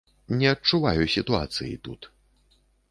Не адчуваю сітуацыі тут.